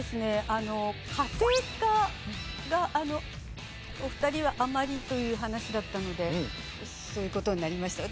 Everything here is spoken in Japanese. あの家庭科がお二人はあんまりという話だったのでそういう事になりました。